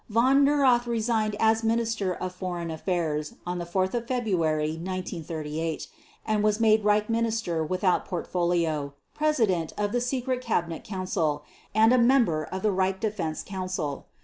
Von Neurath resigned as Minister of Foreign Affairs on 4 February 1938, and was made Reich Minister without Portfolio, President of the Secret Cabinet Council, and a member of the Reich Defense Council.